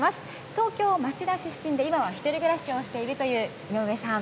東京・町田出身で今は１人暮らしをしているという井上さん。